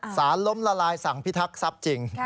สารล้มละลายสั่งพิทักษัพจริง